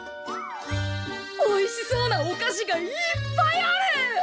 おいしそうなお菓子がいっぱいある！